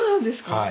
はい。